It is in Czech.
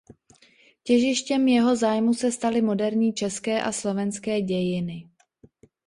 Těžištěm jeho zájmu se staly moderní české a slovenské dějiny.